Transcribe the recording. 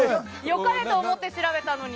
よかれと思って調べたのに。